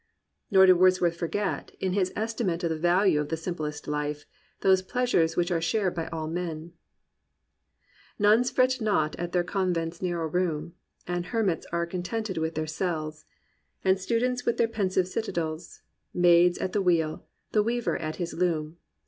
Nor did Wordsworth forget, in his estimate of the value of the simplest life> those pleasures which are shared by all men. "Nuns fr6t hot at their convent's narrow room; And hermits are contented with their cells; And students with their pensive citadels; Maids at the wheel, the weaver at his loom.